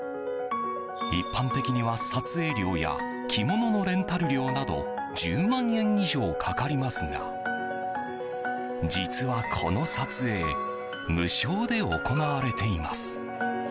一般的には撮影料や着物のレンタル料など１０万円以上かかりますが実は、この撮影無償で行われています。